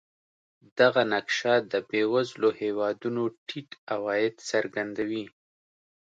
دغه نقشه د بېوزلو هېوادونو ټیټ عواید څرګندوي.